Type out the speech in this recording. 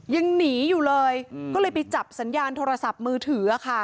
ยังหนีอยู่เลยก็เลยไปจับสัญญาณโทรศัพท์มือถือค่ะ